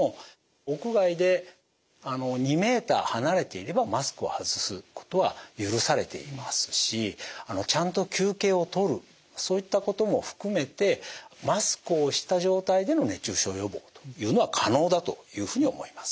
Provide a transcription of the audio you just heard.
屋外で２メーター離れていればマスクを外すことは許されていますしちゃんと休憩をとるそういったことも含めてマスクをした状態での熱中症予防というのは可能だというふうに思います。